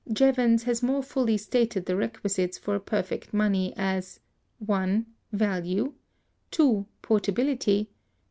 Jevons(226) has more fully stated the requisites for a perfect money as— 1. Value. 2. Portability.